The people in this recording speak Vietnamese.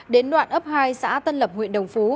đến đoạn ấp hai xã tân lập huyện đồng phú